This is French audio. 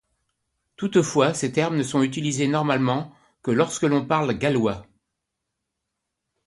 Toutefois ces termes ne sont utilisés normalement que lorsqu'on parle gallois.